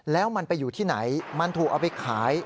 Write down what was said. แล้วมันไปอยู่ที่ไหนมันถูกเอาไปขาย